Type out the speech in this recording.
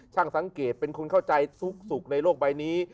ช่างสังเกตเป็นคนเข้าใจสุขในโลกใบนี้